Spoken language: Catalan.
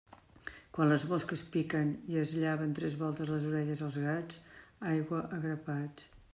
Quan les mosques piquen i es llaven tres voltes les orelles els gats, aigua a grapats.